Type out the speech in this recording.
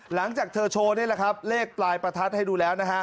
หลังจากเธอโชว์เลขปลายประทัดให้ดูแล้ว